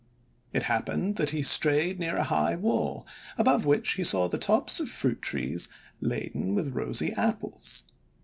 It happened that he strayed near a high wall, above which he saw the tops of fruit trees laden with rosy Apples.